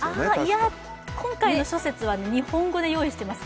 いや、今回の諸説は日本語で用意しています。